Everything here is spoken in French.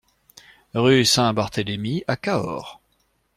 Rue Saint-Barthelémy à Cahors